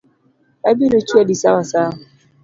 Abiro chwadi sawasawa.